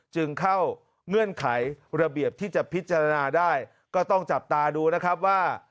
จึงเข้าเงื่อนไขระเบียบที่จะพิจารณาได้ก็ต้องจับตาดูนะครับว่า